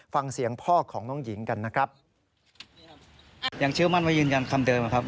ฟังเสียงพ่อของน้องหญิงกันนะครับ